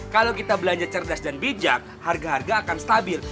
kalau kita belanja cerdas dan bijak harga harga akan stabil